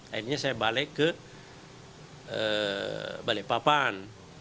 akhirnya saya balik ke balikpapan